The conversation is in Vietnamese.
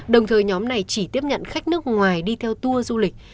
đồng thời nhóm này chỉ tiếp nhận khách nước ngoài đi theo tour du lịch